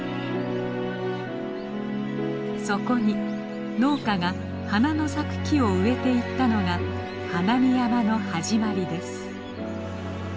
そこに農家が花の咲く木を植えていったのが花見山の始まりです。